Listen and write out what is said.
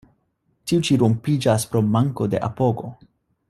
Tiu ĉi rompiĝas pro manko de apogo.